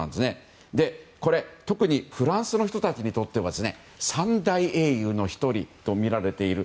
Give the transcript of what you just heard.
これ、特にフランスの人たちにとっては三大英雄の１人と見られている。